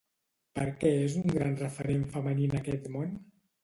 Per què és un gran referent femení en aquest món?